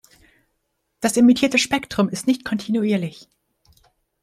Das emittierte Spektrum ist nicht kontinuierlich.